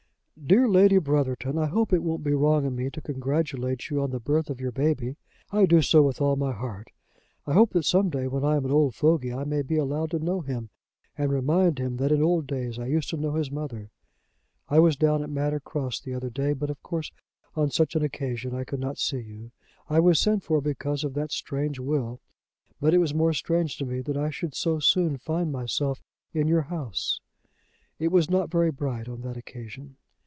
"DEAR LADY BROTHERTON, I hope it won't be wrong in me to congratulate you on the birth of your baby. I do so with all my heart. I hope that some day, when I am an old fogy, I may be allowed to know him and remind him that in old days I used to know his mother. I was down at Manor Cross the other day; but of course on such an occasion I could not see you. I was sent for because of that strange will; but it was more strange to me that I should so soon find myself in your house. It was not very bright on that occasion.